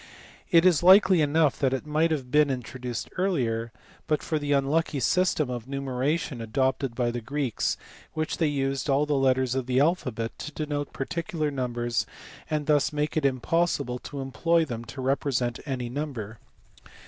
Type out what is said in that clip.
It is likely enough that it might have been introduce! earlier, but for the unlucky system of numeration adopted by the Greeks by which they used all the letters of the alphabet to denote particular numbers and thus make it impossible to employ them to represent any number.